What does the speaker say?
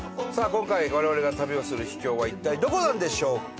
今回我々が旅をする秘境は一体どこなんでしょうか？